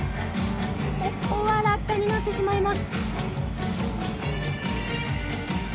ここは落下になってしまいます。